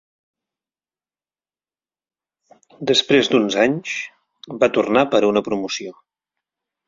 Després d'uns anys, va tornar per a una promoció.